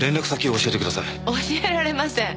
教えられません。